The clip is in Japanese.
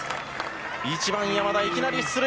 １番山田、いきなり出塁。